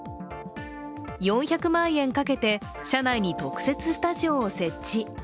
４００万円かけて社内に特設スタジオを設置。